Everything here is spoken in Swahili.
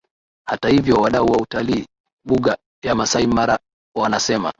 Hata hivyo wadau wa utalii mbuga ya Maasai Mara wanasema